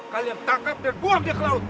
kalian tangkap dan buang dia ke laut